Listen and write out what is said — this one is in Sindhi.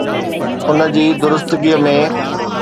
ان جي درستگي ۾.